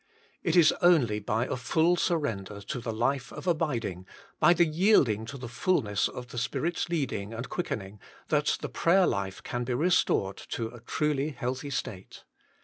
It is only by a full surrender to the life of abiding, by the yielding to the fulness of the Spirit s leading and quickening, that the prayer life can be restored to a truly healthy state.